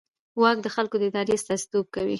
واک د خلکو د ارادې استازیتوب کوي.